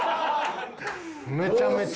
めちゃめちゃ。